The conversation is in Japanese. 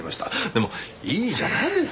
でもいいじゃないですか